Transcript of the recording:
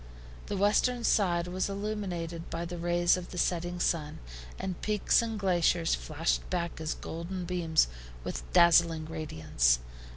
The western side was illumined by the rays of the setting sun, and peaks and glaciers flashed back his golden beams with dazzling radiance.